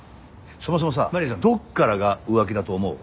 そもそもさまりあちゃんはどこからが浮気だと思う？